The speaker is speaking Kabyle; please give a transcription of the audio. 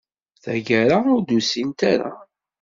Tagara, ur d-usint ara.